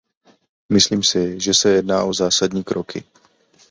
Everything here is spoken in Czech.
Myslím si, že se jedná o zásadní kroky.